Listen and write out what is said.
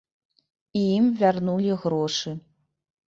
І ім вярнулі грошы.